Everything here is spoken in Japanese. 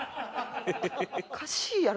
おかしいやろ。